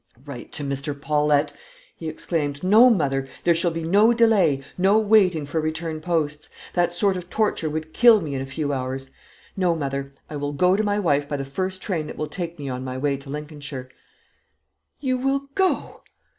"Write to Mr. Paulette!" he exclaimed. "No, mother; there shall be no delay, no waiting for return posts. That sort of torture would kill me in a few hours. No, mother; I will go to my wife by the first train that will take me on my way to Lincolnshire." "You will go!